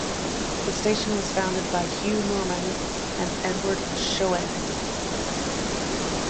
The station was founded by Hugh Norman and Edward Schoede.